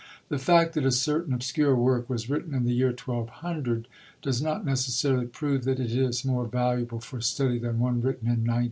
The fact that a certain obscure work was written in the year 1200 does not necessarily prove that it is more valuable for study than one written in 1909.